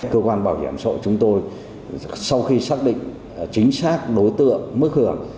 cơ quan bảo hiểm sổ chúng tôi sau khi xác định chính xác đối tượng mức hưởng